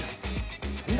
何だ？